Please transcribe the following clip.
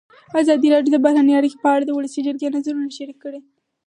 ازادي راډیو د بهرنۍ اړیکې په اړه د ولسي جرګې نظرونه شریک کړي.